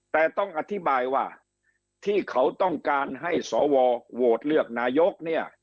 แต่ต้องอธิบายว่าที่เขาต้องการให้สวโหวตเลือกนายกเนี่ย